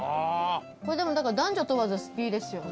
これ、でも、だから男女問わず好きですよね。